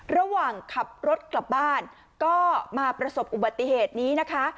ระหว่างขับรถกลับบ้านก็มาประสบอุบัติเหตุนี้นะคะ